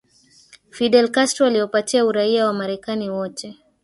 Fidel Castro aliwapatia uraia wamarekani wote